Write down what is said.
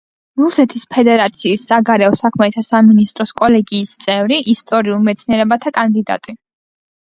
რუსეთის ფედერაციის საგარეო საქმეთა სამინისტროს კოლეგიის წევრი, ისტორიულ მეცნიერებათა კანდიდატი.